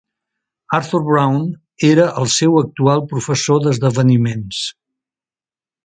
Arthur Brown era el seu actual professor d'esdeveniments.